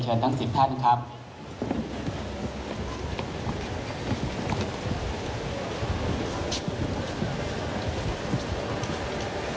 ถือว่าชีวิตที่ผ่านมายังมีความเสียหายแก่ตนและผู้อื่น